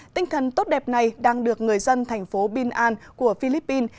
tinh thần tốt đẹp này đang được người dân thành phố bin an của philippines